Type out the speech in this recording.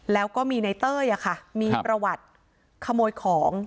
แล้วก็มีในเต้ยมีประวัติขโมยของ